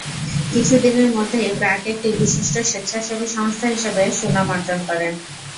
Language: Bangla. কিছুদিনের মধ্যেই ব্র্যাক একটি বিশিষ্ট স্বেচ্ছাসেবী সংস্থা হিসেবে সুনাম অর্জন করে।